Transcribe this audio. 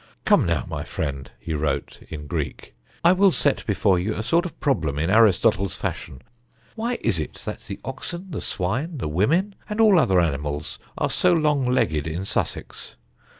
"Come now, my friend," he wrote, in Greek, "I will set before you a sort of problem in Aristotle's fashion: Why is it that the oxen, the swine, the women, and all other animals, are so long legged in Sussex?